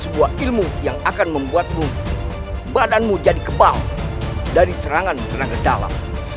sebuah ilmu yang akan membuatmu badanmu jadi kebal dari serangan tenaga dalam